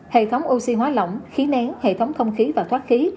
hệ thống oxy hóa lỏng khí nén hệ thống không khí và thoát khí